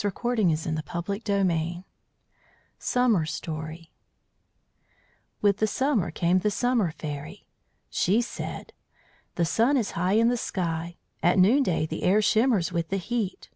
The sky is blue, The world is fresh and gay. SUMMER STORY With the summer came the Summer Fairy. She said: "The sun is high in the sky; at noon day the air shimmers with the heat.